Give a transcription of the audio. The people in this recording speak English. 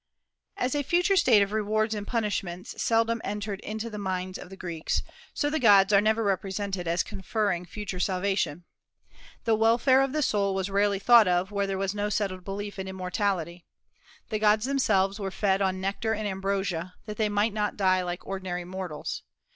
As a future state of rewards and punishments seldom entered into the minds of the Greeks, so the gods are never represented as conferring future salvation. The welfare of the soul was rarely thought of where there was no settled belief in immortality. The gods themselves were fed on nectar and ambrosia, that they might not die like ordinary mortals.